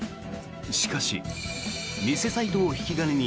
しかし、偽サイトを引き金に